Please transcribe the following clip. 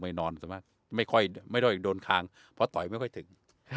ไม่ได้อีกโดนคางมันต่อยไม่ค่อยถึง